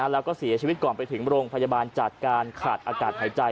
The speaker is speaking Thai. แล้วก็เสียชีวิตก่อนไปถึงโรงพยาบาลจากการขาดอากาศหายใจ